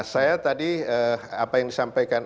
saya tadi apa yang disampaikan